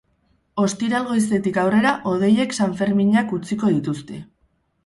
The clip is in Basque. Ostiral goizetik aurrera, hodeiek sanferminak utziko dituzte.